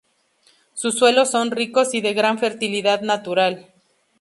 Sus suelos son ricos y de gran fertilidad natural.